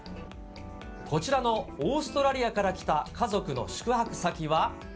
こちらのオーストラリアから来た家族の宿泊先は。